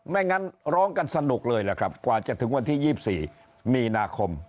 ไม่งั้นร้องกันสนุกเลยล่ะครับกว่าจะถึงวันที่๒๔มีนาคม